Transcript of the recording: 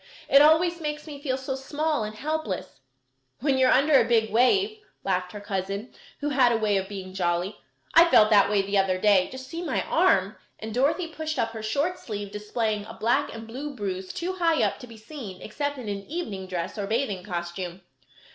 "It always makes me feel so small and helpless." "When you are under a big wave," laughed her cousin, who had a way of being jolly. "I felt that way the other day. Just see my arm," and Dorothy pushed up her short sleeve, displaying a black and blue bruise too high up to be seen except in an evening dress or bathing costume.